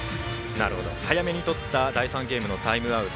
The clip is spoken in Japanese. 早めに取った第３ゲームのタイムアウト